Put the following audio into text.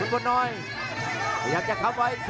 ต้องบอกว่าคนที่จะโชคกับคุณพลน้อยสภาพร่างกายมาต้องเกินร้อยครับ